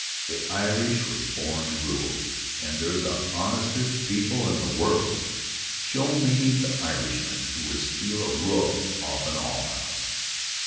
The Irish was born to rule, and they're the honestest people in the world. Show me the Irishman who would steal a roof off an almhouse!